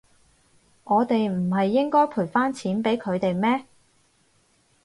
我哋唔係應該賠返錢畀佢哋咩？